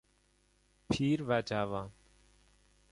پیر و جوان